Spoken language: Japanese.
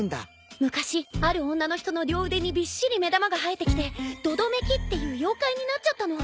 昔ある女の人の両腕にびっしり目玉が生えてきて百々目鬼っていう妖怪になっちゃったの。